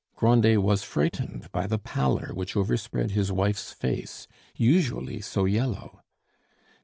Grandet was frightened by the pallor which overspread his wife's face, usually so yellow.